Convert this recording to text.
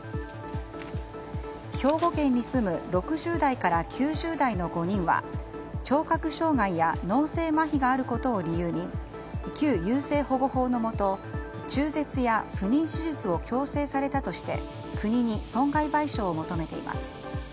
兵庫県に住む６０代から９０代の５人は聴覚障害や脳性まひがあることを理由に旧優生保護法のもと中絶や不妊手術を強制されたとして国に損害賠償を求めています。